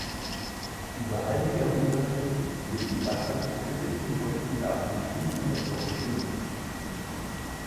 Über all die Jahrhunderte wurden die Wasserrechte bis zum heutigen Datum ununterbrochen genutzt.